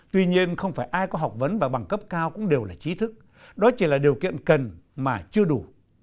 tuy nhiên không phải ai có học vấn và bằng cấp cao cũng đều là trí thức đó chỉ là điều kiện cần mà chưa đủ